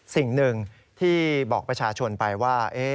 สิ่งหนึ่งที่บอกประชาชนไปว่า